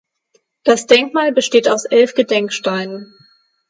Das Denkmal besteht aus elf Gedenksteinen.